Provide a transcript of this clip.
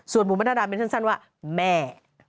ส่วนบูมณดาแมนสั้นว่าแม่